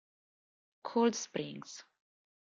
Cold Springs